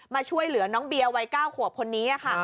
มาช่วยเหลือน้องเบียร์วัย๙ขวบคนนี้ค่ะ